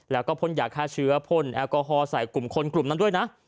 แล้วก็พ่นยาฆ่าเชื้อพ่นแอลกอฮอลใส่กลุ่มคนกลุ่มนั้นด้วยนะ